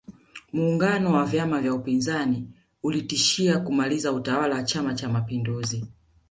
muungano wa vyama vya upinzani ulitishia kumaliza utawala wa chama cha mapinduzi